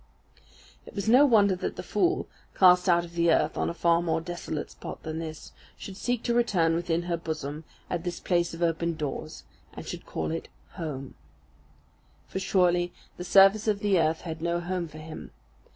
It was no wonder that the fool, cast out of the earth on a far more desolate spot than this, should seek to return within her bosom at this place of open doors, and should call it home. For surely the surface of the earth had no home for him.